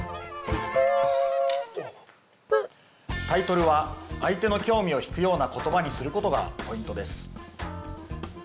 タイトルは相手の興味をひくようなことばにすることがポイントです。